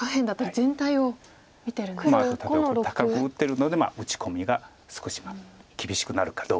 例えばこれ高く打ってるので打ち込みが少し厳しくなるかどうか。